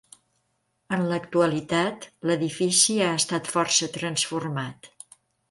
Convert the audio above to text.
En l'actualitat, l'edifici ha estat força transformat.